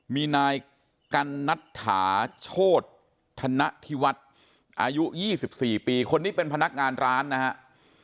มีนายกันนัตถาโชธนธิวัฒน์อายุ๒๔ปีคนนี้เป็นพนักงานร้านนะครับ